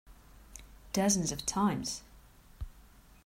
Dozens of times.